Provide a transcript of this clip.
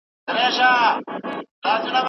د ټولنيز عدالت مفهوم يې پراخ و.